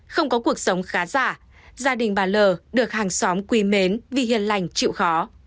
không có cuộc sống khá giả gia đình bà l được hàng xóm quý mến vì hiển lành chịu khó